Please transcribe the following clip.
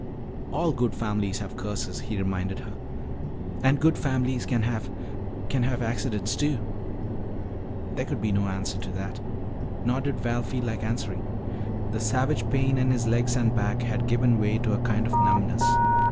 "All good families have curses," he reminded her. "And good families can have can have accidents, too." There could be no answer to that. Nor did Val feel like answering. The savage pain in his legs and back had given way to a kind of numbness.